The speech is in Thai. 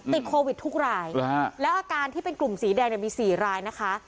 ติดโควิดทุกรายแล้วอาการที่เป็นกลุ่มสีแดงเนี่ยมี๔รายนะคะ